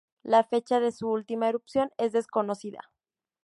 La fecha de su última erupción es desconocida.